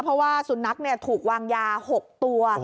เพราะว่าสุนนักเนี่ยถูกวางยา๖ตัว